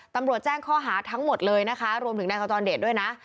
ตำรวจแจ้งข้อหาทั้งหมดเลยนะคะรวมถึงนายขจรเดชด้วยนะ